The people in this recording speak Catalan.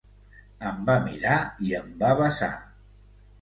Em va mirar i em va besar.